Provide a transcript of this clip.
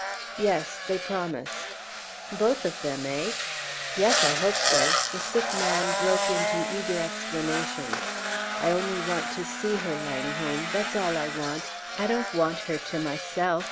"Yes, they promised." "Both of them, eh?" "Yes, I hope so!" The sick man broke into eager explanations. "I only want to see her, Langholm! That's all I want. I don't want her to myself.